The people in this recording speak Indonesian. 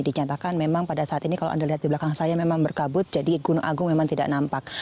dinyatakan memang pada saat ini kalau anda lihat di belakang saya memang berkabut jadi gunung agung memang tidak nampak